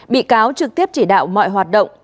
bị cáo trực tiếp chỉ đạo mọi hoạt động